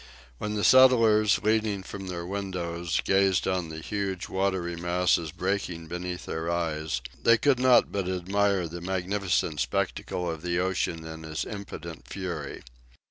When the settlers, leaning from their windows, gazed on the huge watery masses breaking beneath their eyes, they could not but admire the magnificent spectacle of the ocean in its impotent fury.